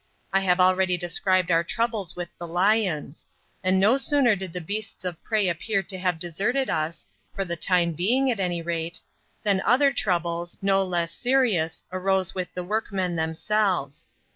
I have already described our troubles with the lions; and no sooner did the beasts of prey appear to have deserted us, for the time being at any rate, than other troubles, no less serious, arose with the workmen themselves.